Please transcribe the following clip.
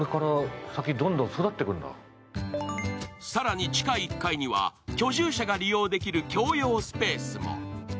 更に地下１階には居住者が利用できる共用スペースも。